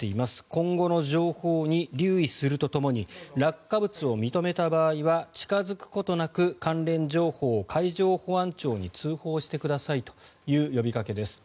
今後の情報に留意するとともに落下物を認めた場合は近付くことなく関連情報を海上保安庁に通報してくださいという呼びかけです。